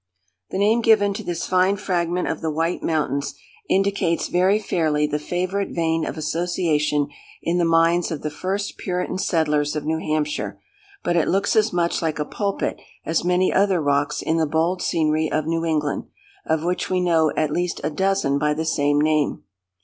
The name given to this fine fragment of the White Mountains, indicates very fairly the favourite vein of association in the minds of the first Puritan settlers of New Hampshire; but it looks as much like a pulpit as many other rocks in the bold scenery of New England, of which we know at least a dozen by the same name.